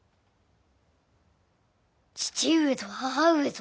父上と母上ぞ！